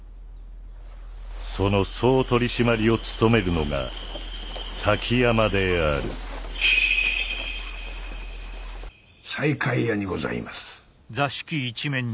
その総取締を務めるのが滝山である西海屋にございます。